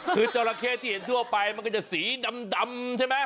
คือจราเข้ที่เห็นทั่วไปมันก็จะสีดำใช่ไหม